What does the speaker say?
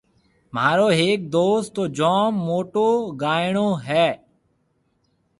مهارو هيَڪ دوست تو جوم موٽو گائيڻو هيَ۔